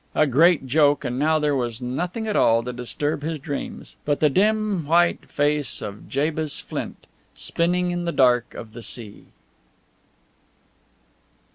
A great joke; and now there was nothing at all to disturb his dreams but the dim white face of Jabez Flint spinning in the dark of the sea.